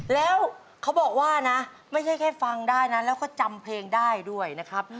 แล้วเขาบอกว่านะไม่ใช่แค่ฟังได้นะแล้วก็จำเพลงได้ด้วยนะครับ